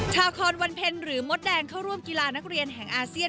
ชาคอนวันเพ็ญหรือมดแดงเข้าร่วมกีฬานักเรียนแห่งอาเซียน